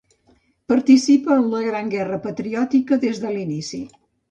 Participa en la Gran Guerra Patriòtica des de l'inici.